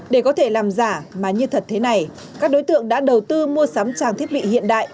để có thể làm giả mà như thật thế này các đối tượng đã đầu tư mua sắm trang thiết bị hiện đại